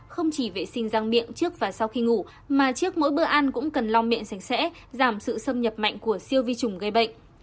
không chỉ vệ sinh răng miệng trước và sau khi ngủ mà trước mỗi bữa ăn cũng cần long miệng sạch sẽ giảm sự xâm nhập mạnh của siêu vi trùng gây bệnh